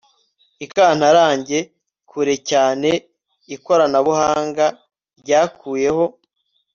ikantarange kure cyane. ikoranabuhanga ryakuyeho